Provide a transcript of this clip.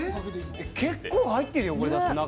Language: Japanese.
結構入ってるよ、中。